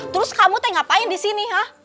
terus kamu tuh ngapain disini